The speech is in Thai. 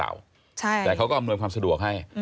แต่เขาก็อำนวยความสะดวกให้